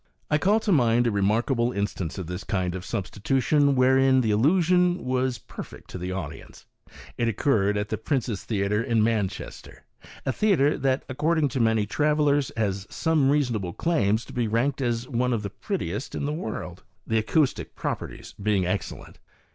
I call to mind a remarkable in stance of this kind of substitution, wherein the illusion was per fect to the audience. It occurred at the Prince's Theatre in Manchester — a theatre that, according to many travellers, has some reasonable claims to be ranked as one of the prettiest in 50 maccabe's art of ventriloquism the world, the acoustic properties being excellent.